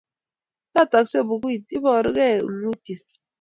Yotoksei bukuit, iborukei ungotiet